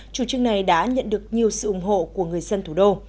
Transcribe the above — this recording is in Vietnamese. chủ trương này đã nhận được nhiều sự ủng hộ của người dân thủ đô